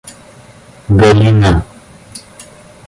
Галина